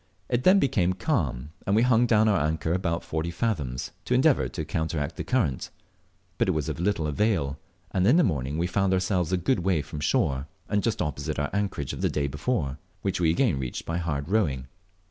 It then became calm, and we hung down our anchor forty fathoms, to endeavour to counteract the current; but it was of little avail, and in the morning we found ourselves a good way from shore, and just opposite our anchorage of the day before, which we again reached by hard rowing.